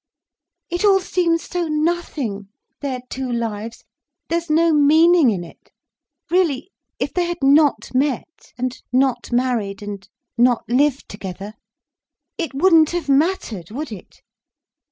"It all seems so nothing—their two lives—there's no meaning in it. Really, if they had not met, and not married, and not lived together—it wouldn't have mattered, would it?"